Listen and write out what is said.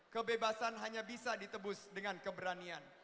kebebasan hanya bisa ditebus dengan keberanian